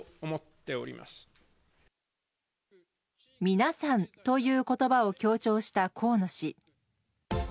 「皆さん」という言葉を強調した河野氏。